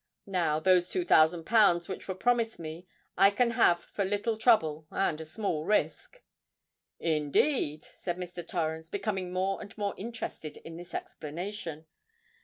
Now, those two thousand pounds which were promised me I can have for little trouble and a small risk." "Indeed!" said Mr. Torrens, becoming more and more interested in this explanation.